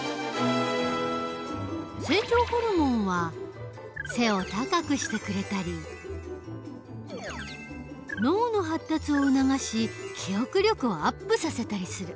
成長ホルモンは背を高くしてくれたり脳の発達を促し記憶力をアップさせたりする。